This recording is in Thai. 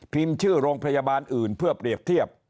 ชื่อโรงพยาบาลอื่นเพื่อเปรียบเทียบ